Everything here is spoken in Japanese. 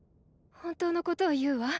本当のことを言うわ！